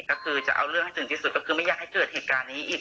ก็คือจะเอาเรื่องให้ถึงที่สุดก็คือไม่อยากให้เกิดเหตุการณ์นี้อีก